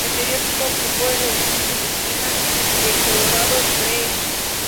El periódico ocupó el edificio en la esquina de Colorado Blvd.